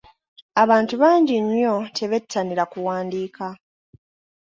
Abantu bangi nnyo tebettanira kuwandiika.